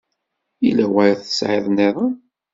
Yella wayen tesɛiḍ nniḍen?